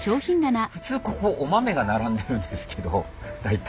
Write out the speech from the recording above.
普通ここお豆が並んでるんですけど大体。